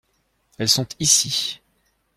Elles sont ici.